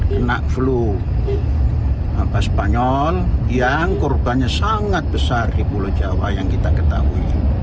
kena flu abah spanyol yang korbannya sangat besar di pulau jawa yang kita ketahui